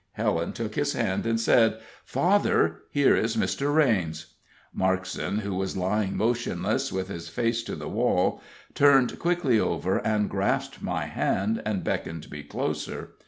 Helen took his hand, and said: "Father, here is Mr. Raines." Markson, who was lying motionless, with his face to the wall, turned quickly over and grasped my hand and beckoned me closer.